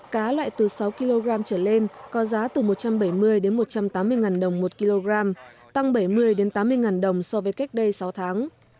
cá loại từ sáu kg trở lên có giá từ một trăm bảy mươi một trăm tám mươi đồng một kg tăng bảy mươi tám mươi ngàn đồng so với cách đây sáu tháng